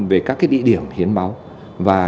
về các cái địa điểm hiến máu và